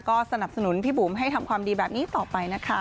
ก็สนับสนุนพี่บุ๋มให้ทำความดีแบบนี้ต่อไปนะคะ